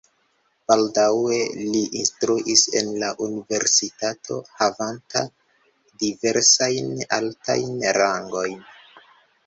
Baldaŭe li instruis en la universitato havanta diversajn altajn rangojn.